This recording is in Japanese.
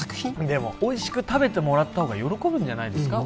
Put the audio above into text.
でもおいしく食べてもらった方が喜ぶんじゃないですか？